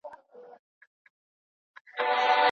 ناوخته خورا د وزن زیاتوالي سبب کېږي.